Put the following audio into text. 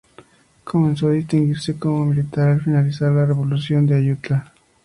Comenzó a distinguirse como militar al finalizar la Revolución de Ayutla.